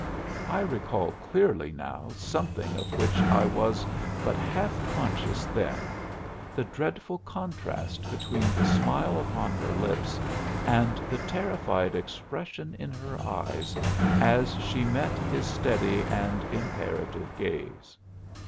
I recall clearly now something of which I was but half conscious then the dreadful contrast between the smile upon her lips and the terrified expression in her eyes as she met his steady and imperative gaze.